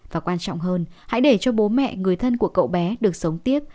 và quan trọng hơn hãy để cho bố mẹ người thân của cậu bé được sống tiếp